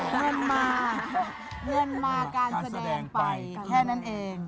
เล่นมาการแสดงไปแค่นั้นเอง